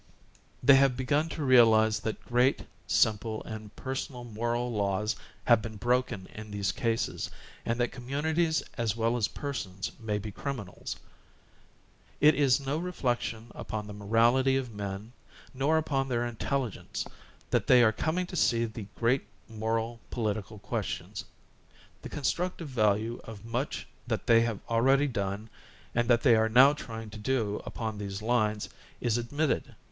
They have begun to realize that great, simple and per sonal moral laws have been broken in these cases and that communities as well as persons may be criminals. It is no reflection upon the morality of men, nor upon their intelligence, that they are coming to see the great moral political questions. The constructive value of much that they have already done and that they are now trying to do upon these lines, is admitted.